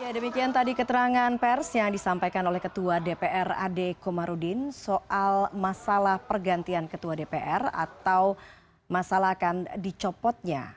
demikian tadi keterangan pers yang disampaikan oleh ketua dpr ade komarudin soal masalah pergantian ketua dpr atau masalah akan dicopotnya